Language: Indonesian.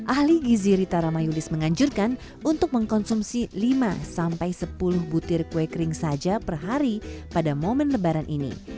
ahli gizi rita ramayulis menganjurkan untuk mengkonsumsi lima sampai sepuluh butir kue kering saja per hari pada momen lebaran ini